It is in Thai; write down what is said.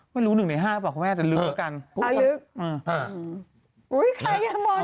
ไม่รู้๑ใน๕กับอะไรแต่ลึกเหมือนกัน